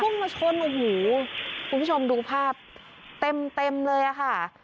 มาชนโอ้โหคุณผู้ชมดูภาพเต็มเต็มเลยอะค่ะ